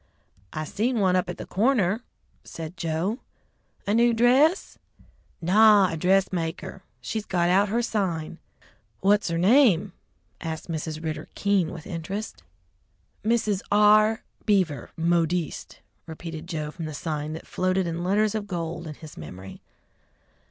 "I seen one up at the corner!" said Joe. "A new dress?" "Naw, a dressmaker. She's got out her sign." "What's her name?" asked Mrs. Ridder, keen with interest. "Mrs. R. Beaver, Modiste," repeated Joe from the sign that floated in letters of gold in his memory.